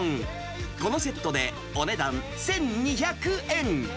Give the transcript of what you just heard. このセットでお値段１２００円。